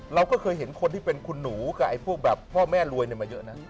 เราก็เคยเห็นคนที่เป็นคุณหนูกับไอ้พวกแบบพ่อแม่รวยมาเยอะนะ